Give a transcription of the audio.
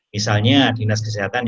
misalnya dinas kesehatan ekonomi